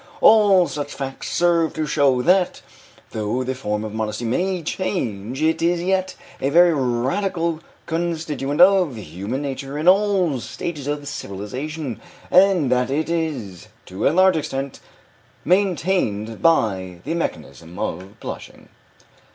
All such facts serve to show that, though the forms of modesty may change, it is yet a very radical constituent of human nature in all stages of civilization, and that it is, to a large extent, maintained by the mechanism of blushing.